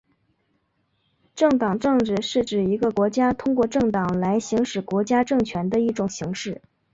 政党政治是指一个国家通过政党来行使国家政权的一种形式。